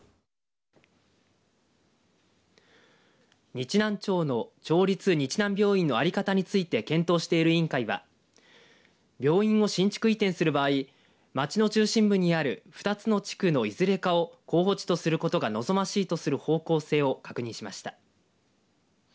日南町の町立日南病院の在り方について検討している委員会は病院を新築移転する場合街の中心部にある２つの地区のいずれかを候補地とすることが望ましいとする方向性を確認しました。